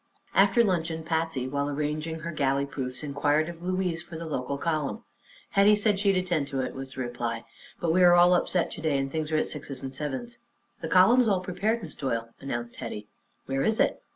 After luncheon, Patsy, while arranging her galley proofs, inquired of Louise for the local column. "Hetty said she'd attend to it," was the reply; "but we are all upset to day and things are at sixes and sevens." "The column is all prepared, Miss Doyle," announced Hetty. "Where is it?"